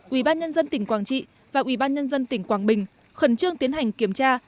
ubnd tỉnh quảng trị và ubnd tỉnh quảng bình khẩn trương tiến hành kiểm tra